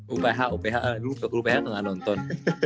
uph uph aduh lu ph tuh gak nonton